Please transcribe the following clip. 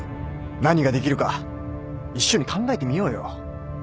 何ができるか一緒に考えてみようよ。